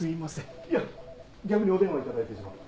いや逆にお電話頂いてしまって。